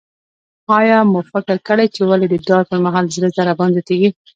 آیا مو فکر کړی چې ولې د ډار پر مهال د زړه ضربان زیاتیږي؟